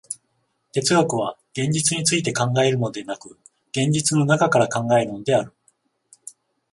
哲学は現実について考えるのでなく、現実の中から考えるのである。